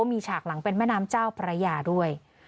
มีฉากหลังเป็นแม่น้ำเจ้าพระยาด้วย